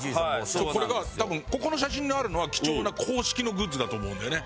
これが多分ここの写真にあるのは貴重な公式のグッズだと思うんだよね。